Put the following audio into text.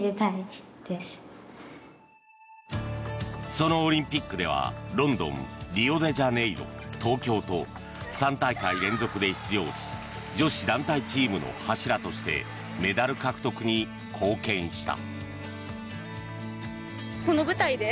そのオリンピックではロンドン、リオデジャネイロ東京と３大会連続で出場し女子団体チームの柱としてメダル獲得に貢献した。